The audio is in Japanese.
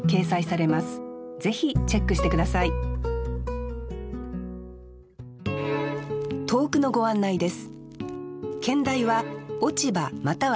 ぜひチェックして下さい投句のご案内です